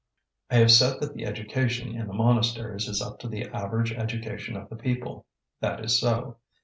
I have said that the education in the monasteries is up to the average education of the people. That is so.